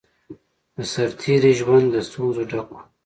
د سرتېری ژوند له ستونزو ډک وو